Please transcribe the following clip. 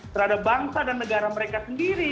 terhadap bangsa dan negara mereka sendiri